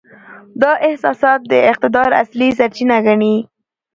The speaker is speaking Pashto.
دا احساسات د اقتدار اصلي سرچینه ګڼي.